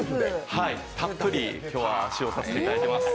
はい、たっぷりと、今日は使用させていただいてます。